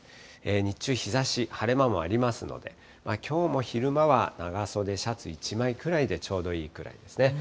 日中、日ざし、晴れ間もありますので、きょうも昼間は長袖シャツ１枚くらいでちょうどいいくらいですね。